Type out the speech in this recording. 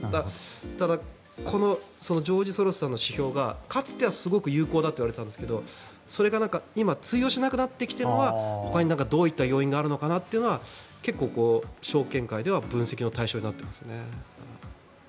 ただ、このジョージ・ソロスさんの指標がかつてはすごく有効だといわれていたんですがそれが今通用しなくなってきているのはほかにどういった要因があるのかなというのは結構、証券界では分析の対象になっています。